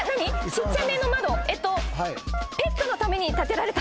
ちっちゃめの窓。